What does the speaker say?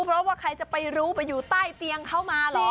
เพราะว่าใครจะไปรู้ไปอยู่ใต้เตียงเข้ามาเหรอ